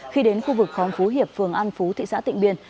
khi đến khu vực khóm phú hiệp phường an phú thị xã tịnh biên